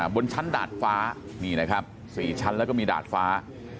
บนชั้นดาดฟ้านี่นะครับ๔ชั้นแล้วก็มีดาดฟ้า